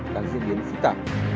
đã diễn biến phí tả